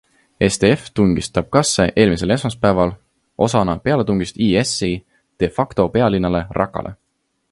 SDF tungis Tabqasse eelmisel esmaspäeval osana pealetungist IS-i de facto pealinnale Raqqale.